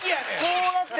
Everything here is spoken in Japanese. こうなって。